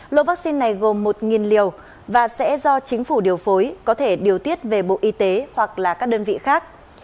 lô vaccine này gồm một liều và sẽ do chính phủ điều phối có thể điều tiết về bộ y tế hoặc là các đơn vị khác